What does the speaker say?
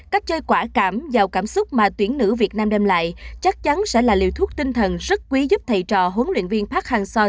cách chơi quả cảm giàu cảm xúc mà tuyển nữ việt nam đem lại chắc chắn sẽ là liều thuốc tinh thần rất quý giúp thầy trò huấn luyện viên park hang seo